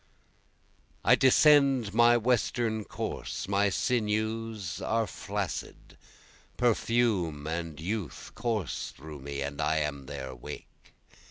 2 I descend my western course, my sinews are flaccid, Perfume and youth course through me and I am their wake.